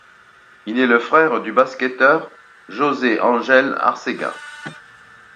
Il est le frère du basketteur José Ángel Arcega.